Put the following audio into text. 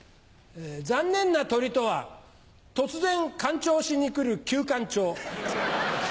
残念な鳥とは突然かん腸しに来るキュウカンチョウ。